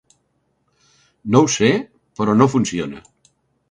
No ho sé, però no funciona.